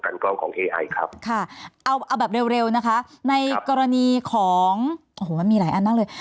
แล้วก็อ่าเอาแบบเร็วนะคะในกรณีของโอ้โหมันมีหลายอันมากเลย